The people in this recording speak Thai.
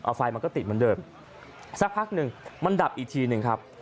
เอาไฟมันก็ติดเหมือนเดิมสักพักหนึ่งมันดับอีกทีหนึ่งครับ